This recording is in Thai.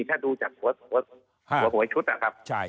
ถ้าดูจากหัวหวยชุดนะครับ